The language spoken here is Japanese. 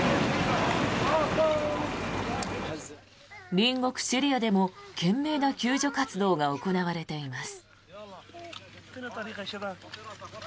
隣国シリアでも懸命な救助活動が行われています。